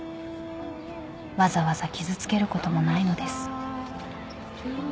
［わざわざ傷つけることもないのです］